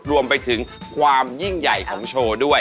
รวมไปถึงความยิ่งใหญ่ของโชว์ด้วย